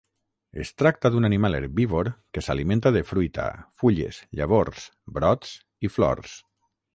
Es tracta d'un animal herbívor que s'alimenta de fruita, fulles, llavors, brots i flors.